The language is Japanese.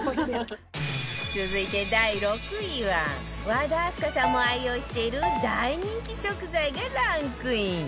続いて第６位は和田明日香さんも愛用している大人気食材がランクイン